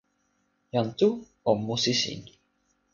jan tu o musi sin.